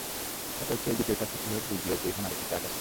কথা হচ্ছে এই দ্বিতীয় চার্জটি কীভাবে বুঝল যে ওখানে আরেকটি চার্জ আছে?